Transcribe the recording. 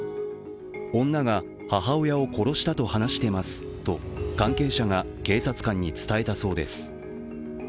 女が母親を殺したと話してますと関係者が警察官に伝えたそうです。